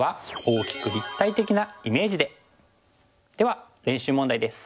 では練習問題です。